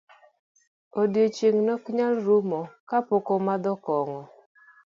Odiochieng' nok nyal rumo kapok omadho kong'o.